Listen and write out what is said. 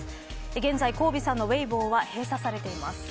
現在、コウビさんのウェイボーは閉鎖されています。